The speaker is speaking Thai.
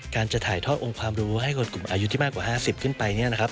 การจะถ่ายทอดองค์ความรู้ให้คนกลุ่มอายุที่มากกว่า๕๐ขึ้นไป